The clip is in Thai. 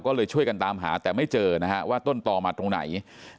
ก็เลยช่วยกันตามหาแต่ไม่เจอนะฮะว่าต้นต่อมาตรงไหน